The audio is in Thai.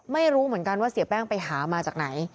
ไม่รู้เหมือนกันว่าเสียแป้งไปหามาจากไหน